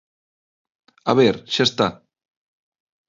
A ver, ¡xa está!